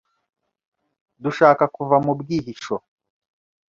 dushaka kuva mu bwihisho,